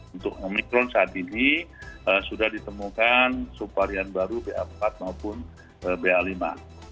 untuk omikron saat ini sudah ditemukan subvarian baru ba empat maupun ba lima